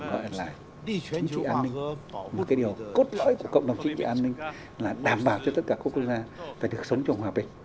chính trị an ninh một cái điều cốt lõi của cộng đồng chính trị an ninh là đảm bảo cho tất cả các quốc gia phải được sống trong hòa bình